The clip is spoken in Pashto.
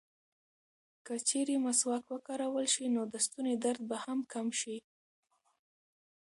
که چېرې مسواک وکارول شي، نو د ستوني درد به هم کم شي.